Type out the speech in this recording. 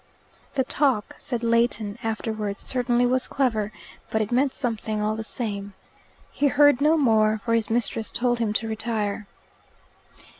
"The talk," said Leighton afterwards, "certainly was clever. But it meant something, all the same." He heard no more, for his mistress told him to retire.